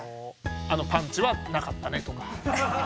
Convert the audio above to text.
あのパンチはなかったねとか。